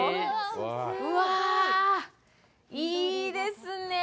うわ、いいですね。